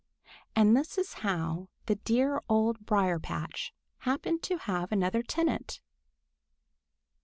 And this is how the dear Old Briar patch happened to have another tenant.